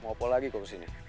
mau apa lagi kok ke sini